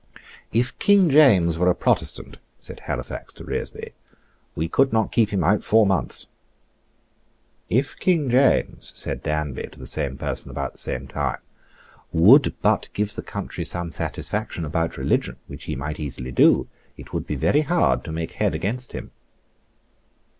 "If King James were a Protestant," said Halifax to Reresby, "we could not keep him out four months." "If King James," said Danby to the same person about the same time, "would but give the country some satisfaction about religion, which he might easily do, it would be very hard to make head against him."